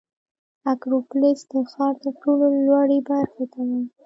اکروپولیس د ښار تر ټولو لوړې برخې ته وایي.